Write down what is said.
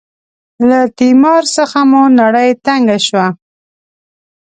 له تیمار څخه مو نړۍ تنګه شوه.